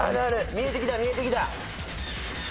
見えてきた見えてきた。